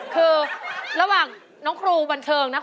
คือระหว่างน้องครูบันเทิงนะคะ